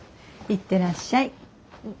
行ってらっしゃい。